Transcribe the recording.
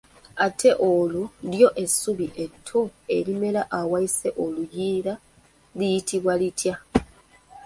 Ate olwo lyo essubi etto erimera awayise oluyiira liyitibwa litya?